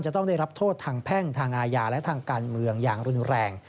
จะต้องได้รับโทษทางแพ่งทางอาญาและทางการเมืองอย่างรุนแรง